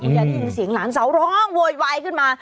ยายได้ยินเสียงหลานสาวร้องโวยวายขึ้นมา